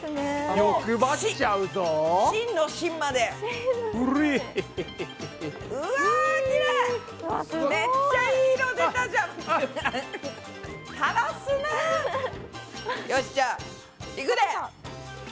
よしじゃあいくで！